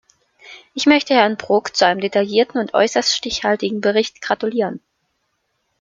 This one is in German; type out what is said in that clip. Ich möchte Herrn Brok zu einem detaillierten und äußerst stichhaltigen Bericht gratulieren.